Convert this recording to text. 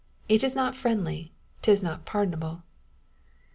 It is not friendly, 'tis not pardonable.